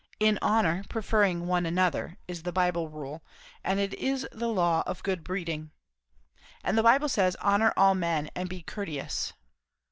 'In honour preferring one another,' is the Bible rule, and it is the law of good breeding. And the Bible says, 'Honour all men;' and, 'Be courteous.'